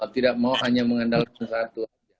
tidak mau hanya mengandalkan satu saja